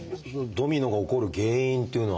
ドミノが起こる原因っていうのは。